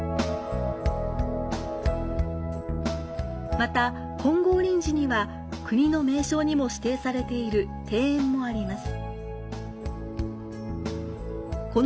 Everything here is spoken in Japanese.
また、金剛輪寺には国の名勝にも指定されている庭園もあります。